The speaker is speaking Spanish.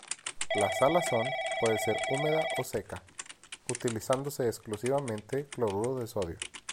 La salazón puede ser húmeda o seca, utilizándose exclusivamente cloruro de sodio.